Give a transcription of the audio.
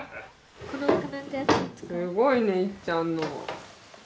すごいねいっちゃんの。